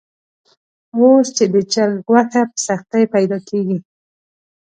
اوس چې د چرګ غوښه په سختۍ پیدا کېږي.